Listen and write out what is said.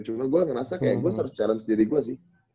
cuma gue ngerasa kayak gue harus challenge diri gue sih